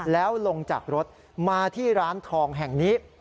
แล้วลงจากรถมาที่ร้านทองแห่งนี้